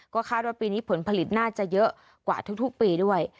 ก็คาดว่าปีนี้ผลผลิตน่าจะเยอะกว่าทุกปีด้วย